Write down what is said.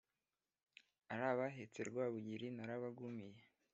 Arabahetse Rwabugiri narabagumiye